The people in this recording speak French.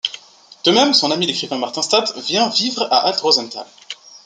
De même, son ami, l'écrivain Martin Stade, vient vivre à Alt Rosenthal.